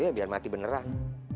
iya biar mati beneran